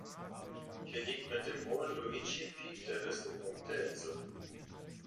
Hier liegt mit dem hohen Luigi Peak der höchste Punkt der Insel.